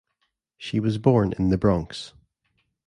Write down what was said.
She was born in The Bronx.